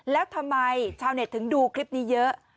แล้วทำไมชาวเน็ตถึงดูคลิปนี้เยอะ